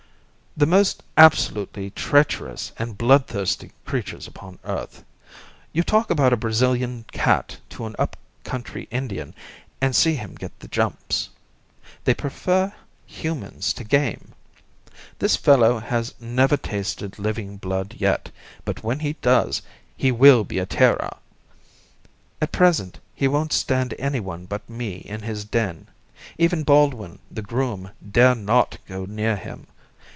"The most absolutely treacherous and bloodthirsty creatures upon earth. You talk about a Brazilian cat to an up country Indian, and see him get the jumps. They prefer humans to game. This fellow has never tasted living blood yet, but when he does he will be a terror. At present he won't stand anyone but me in his den. Even Baldwin, the groom, dare not go near him.